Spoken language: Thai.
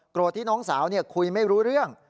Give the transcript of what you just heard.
ที่น้องสาวคุยไม่รู้เรื่อง